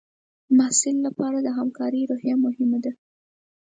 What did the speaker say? د محصل لپاره د همکارۍ روحیه مهمه ده.